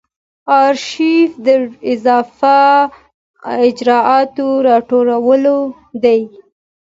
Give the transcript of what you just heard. آرشیف د اضافه اجرااتو راټولول دي.